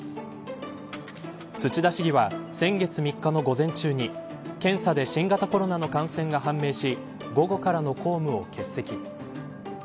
土田市議は、先月３日の午前中に検査で新型コロナの感染が判明し午後からの公務を欠席。